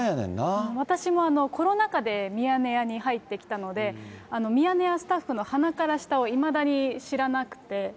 私もコロナ禍でミヤネ屋に入ってきたので、ミヤネ屋スタッフの鼻から下をいまだに知らなくて。